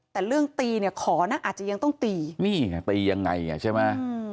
แต่เรื่องตีเนี่ยขอนะอาจจะยังต้องตีนี่ไงตียังไงอ่ะใช่ไหม